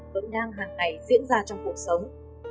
vẫn đang hàng ngày diễn ra trong cuộc sống